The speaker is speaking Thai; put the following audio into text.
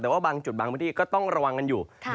แต่ว่าบางจุดบางพื้นที่ก็ต้องระวังกันอยู่